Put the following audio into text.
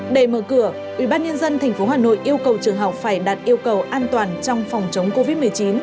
để mở cửa ubnd tp hà nội yêu cầu trường học phải đạt yêu cầu an toàn trong phòng chống covid một mươi chín